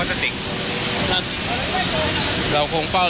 สถานการณ์ข้อมูล